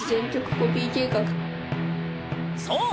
そう！